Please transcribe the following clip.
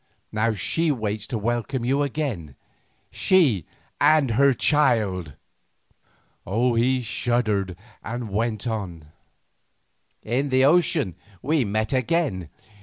Now she waits to welcome you again, she and her child." He shuddered and went on. "In the ocean we met again.